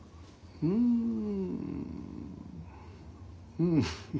うん！